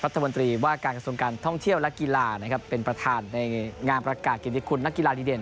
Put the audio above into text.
รัฐมนตรีว่าการกระทรวงการท่องเที่ยวและกีฬานะครับเป็นประธานในงานประกาศกิจคุณนักกีฬาดีเด่น